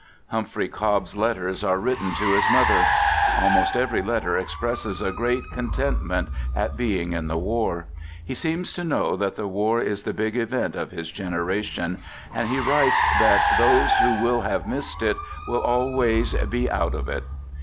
Humphrey Cobb's letters are written to his mother. Almost every letter expresses a great con tentment at being in the war. He seems to know that the war is the big event of his generation, and he writes that those who will have missed it will always be " out of it."